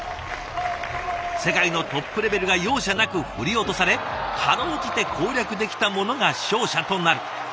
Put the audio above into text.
世界のトップレベルが容赦なく振り落とされ辛うじて攻略できた者が勝者となる。